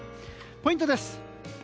ポイントです。